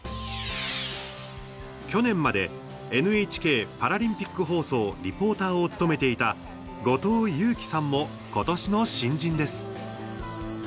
去年までＮＨＫパラリンピック放送リポーターを務めていた後藤佑季さんもことしの新人です。